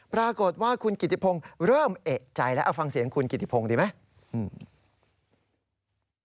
ปรากฏว่าคุณกิติพงศ์เริ่มเอกใจแล้วเอาฟังเสียงคุณกิติพงศ์ดีไหม